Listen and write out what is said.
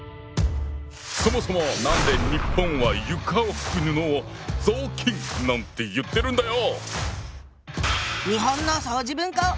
そもそも何で日本は床を拭く布を「雑巾」なんて言ってるんだよ！